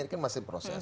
ini kan masih proses